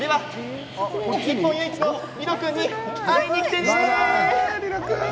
日本唯一のリロ君に会いに来てね。